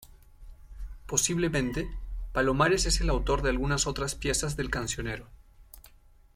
Posiblemente, Palomares es el autor de algunas otras piezas del cancionero.